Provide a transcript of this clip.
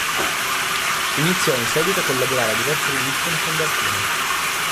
Iniziò in seguito a collaborare a diverse riviste e ne fondò alcune.